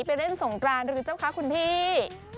ไปเล่นสงกรานหรือเจ้าคะคุณพี่